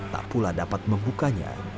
tak pula dapat membukanya